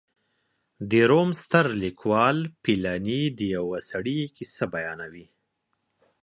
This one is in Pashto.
د روم ستر لیکوال پیلني د یوه سړي کیسه بیانوي